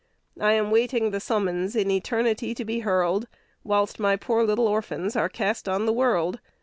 "I am waiting the summons in eternity to be hurled; Whilst my poor little orphans are cast on the world.